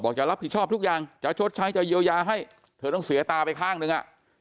จะรับผิดชอบทุกอย่างจะชดใช้จะเยียวยาให้เธอต้องเสียตาไปข้างหนึ่งอ่ะ